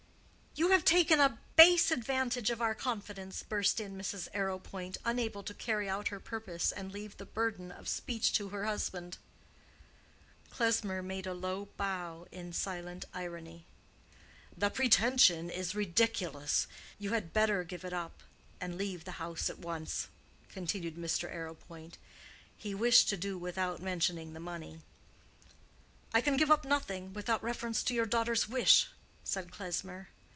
"You have taken a base advantage of our confidence," burst in Mrs. Arrowpoint, unable to carry out her purpose and leave the burden of speech to her husband. Klesmer made a low bow in silent irony. "The pretension is ridiculous. You had better give it up and leave the house at once," continued Mr. Arrowpoint. He wished to do without mentioning the money. "I can give up nothing without reference to your daughter's wish," said Klesmer.